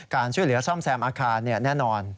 การช่วยเหลือซ่อมแซมอาคารแน่นอน